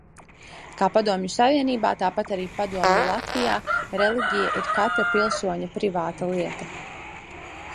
Kā Padomju Savienībā, tāpat arī Padomju Latvijā reliģija ir katra pilsoņa privāta lieta.